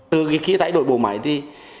từ khi thay đổi bộ máy thì